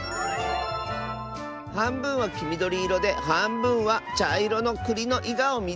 「はんぶんはきみどりいろではんぶんはちゃいろのくりのいがをみつけた！」。